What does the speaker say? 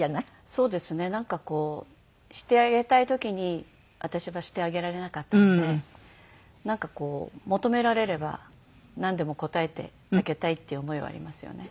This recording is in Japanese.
そうですねなんかこうしてあげたい時に私はしてあげられなかったのでなんかこう求められればなんでも応えてあげたいっていう思いはありますよね。